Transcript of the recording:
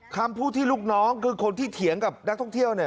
คำพูดที่ลูกน้องคือคนที่เถียงกับนักท่องเที่ยวเนี่ย